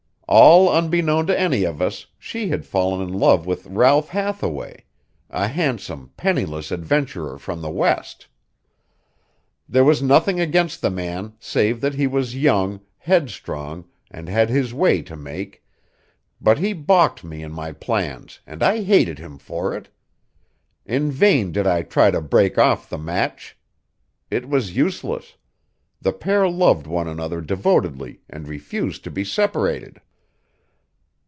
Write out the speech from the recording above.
All unbeknown to any of us, she had fallen in love with Ralph Hathaway, a handsome, penniless adventurer from the West. There was nothing against the man save that he was young, headstrong, and had his way to make, but he balked me in my plans and I hated him for it. In vain did I try to break off the match. It was useless. The pair loved one another devotedly and refused to be separated."